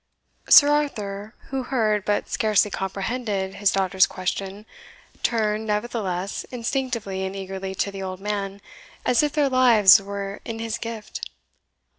Sir Arthur, who heard, but scarcely comprehended, his daughter's question, turned, nevertheless, instinctively and eagerly to the old man, as if their lives were in his gift.